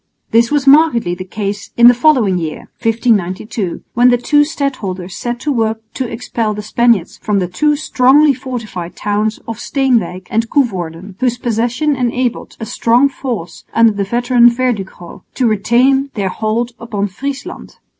This was markedly the case in the following year (1592) when the two stadholders set to work to expel the Spaniards from the two strongly fortified towns of Steenwijk and Coevorden, whose possession enabled a strong force under the veteran Verdugo to retain their hold upon Friesland.